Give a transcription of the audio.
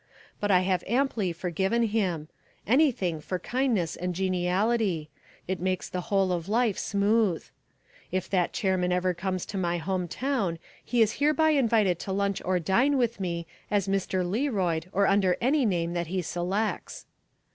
But I have amply forgiven him: anything for kindness and geniality; it makes the whole of life smooth. If that chairman ever comes to my home town he is hereby invited to lunch or dine with me, as Mr. Learoyd or under any name that he selects.